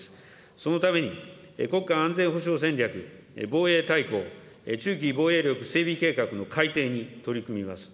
そのために、国家安全保障戦略、防衛大綱、中期防衛力計画の改定に取り組みます。